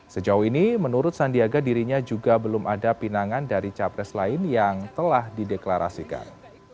sejauh ini menurut sandiaga dirinya juga belum ada pinangan dari capres lain yang telah dideklarasikan